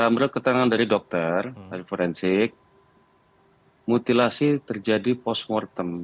menurut keterangan dari dokter dari forensik mutilasi terjadi post mortem